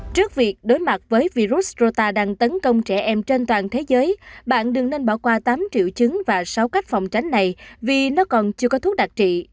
trước việc đối mặt với virus rota đang tấn công trẻ em trên toàn thế giới bạn đừng nên bỏ qua tám triệu chứng và sáu cách phòng tránh này vì nó còn chưa có thuốc đặc trị